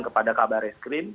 kepada kabar eskrim